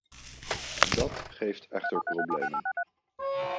Dat geeft echter problemen.